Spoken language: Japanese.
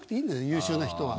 優秀な人は。